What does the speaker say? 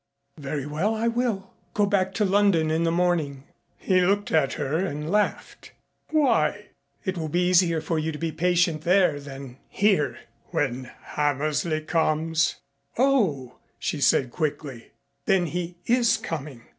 "Very well, I will. Go back to London in the morning." He looked at her and laughed. "Why?" "It will be easier for you to be patient there than here " "When Hammersley comes?" "Oh," she said quickly, "then he is coming?"